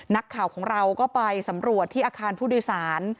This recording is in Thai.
นักข่าวของเราก็ไปสำรวจที่อาคารผู้โดยสาร